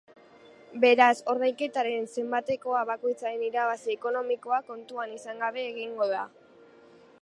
Beraz, ordainketaren zanbatekoa bakoitzaren irabazi ekonomikoak kontuan izan gabe egingo da.